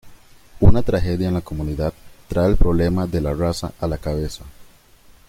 Una tragedia en la comunidad trae el problema de la raza a la cabeza.